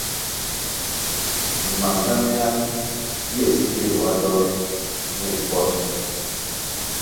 Mam momehya ywe si leh ywa dol meh ponʼ.